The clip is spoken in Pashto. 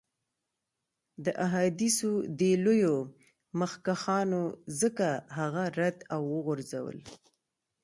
د احادیثو دې لویو مخکښانو ځکه هغه رد او وغورځول.